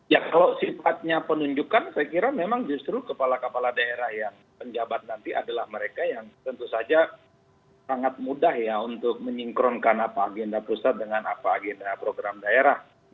ya kalau sifatnya penunjukan saya kira memang justru kepala kepala daerah yang penjabat nanti adalah mereka yang tentu saja sangat mudah ya untuk menyingkronkan apa agenda pusat dengan apa agenda program daerah